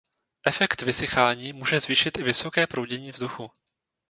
Efekt vysychání může zvýšit i vysoké proudění vzduchu.